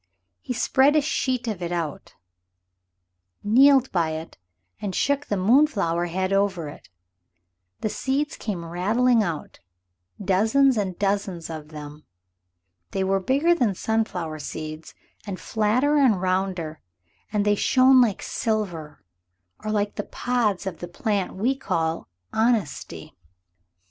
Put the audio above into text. He spread a sheet of it out, kneeled by it and shook the moonflower head over it. The seeds came rattling out dozens and dozens of them. They were bigger than sunflower seeds and flatter and rounder, and they shone like silver, or like the pods of the plant we call honesty.